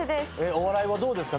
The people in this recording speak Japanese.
お笑いはどうですか？